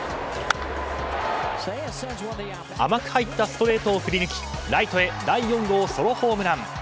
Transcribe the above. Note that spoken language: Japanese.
甘く入ったストレートを振り抜きライトへ第４号ソロホームラン。